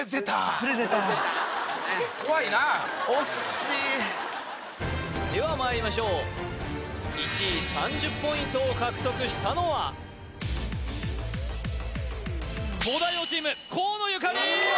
プレゼター惜しい！ではまいりましょう１位３０ポイントを獲得したのは東大王チーム河野ゆかり